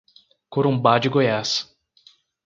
Corumbá de Goiás